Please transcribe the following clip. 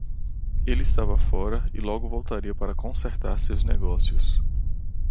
Ele estava fora e logo voltaria para consertar seus negócios.